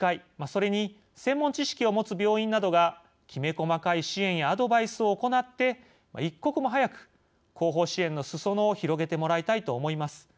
それに専門知識を持つ病院などがきめ細かい支援やアドバイスを行って一刻も早く、後方支援のすそ野を広げてもらいたいと思います。